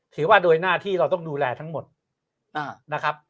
ถือว่าโดยหน้าที่เราต้องดูแลทั้งหมดนะครับ